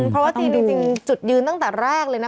เพราะว่าจีนจริงจุดยืนตั้งแต่แรกเลยนะ